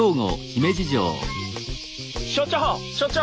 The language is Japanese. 所長！